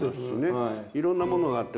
いろんなものがあって。